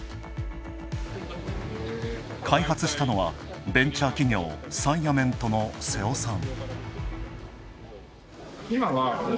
開発したのは、ベンチャー企業、サイアメントの瀬尾さん。